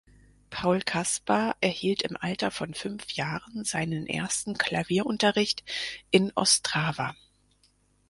Paul Kaspar erhielt im Alter von fünf Jahren seinen ersten Klavierunterricht in Ostrava.